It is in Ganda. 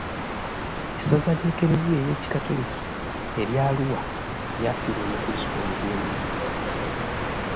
Essaza ly'ekereziya ey'ekikatoliki erya Arua lyafiirwa omukulisitu omugundiivu.